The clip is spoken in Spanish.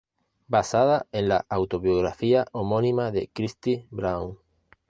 Basada en la autobiografía homónima de Christy Brown.